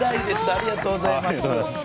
ありがとうございます。